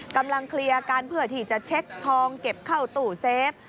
กำลังเคลียร์กันเพื่อที่จะเช็คทองเก็บเข้าตู้เซฟ